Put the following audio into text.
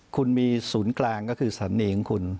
คุณมีศูนย์กลางก็คือสถานีของคุณ